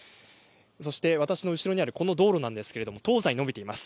そして私の後ろにあるこの道路なんですが東西に伸びています。